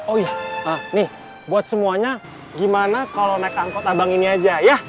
oh iya nih buat semuanya gimana kalau naik angkot abang ini aja ya